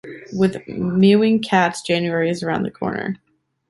With mewing cats, January is around the corner.